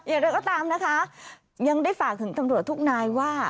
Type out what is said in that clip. อย่างไรก็ตามนะคะยังได้ฝากถึงตำรวจทุกนายว่า